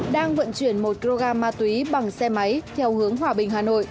đang vận chuyển một kg ma túy bằng xe máy theo hướng hòa bình hà nội